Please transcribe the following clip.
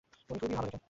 উনি খুবই ভালো লেখেন।